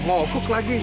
mau hukuk lagi